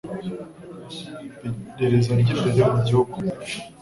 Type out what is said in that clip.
Iperereza ry'imbere mu gihugu,